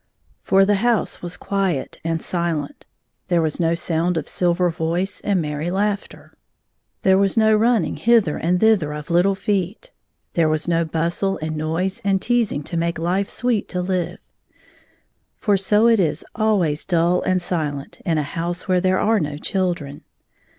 For the house was quiet and silent There was no sound of silver voice and merry laughter; 5 there was no running hither and thither of little feet ; there was no bustle and noise and teasmg to make life sweet to live. For so it is always dull and silent in a house where there are no children.